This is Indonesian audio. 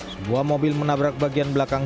sebuah mobil menabrak bagian belakang